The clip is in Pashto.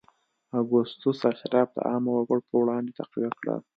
اګوستوس اشراف د عامو وګړو پر وړاندې تقویه کړل